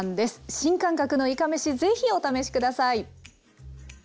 新感覚のいかめし是非お試し下さい。